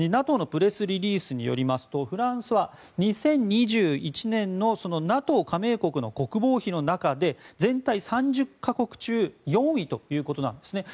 ＮＡＴＯのプレスリリースによりますとフランスは２０２１年のＮＡＴＯ加盟国の国防費の中で全体３０か国中４位ということなんです。